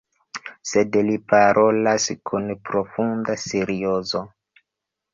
Sed li parolas kun profunda seriozo.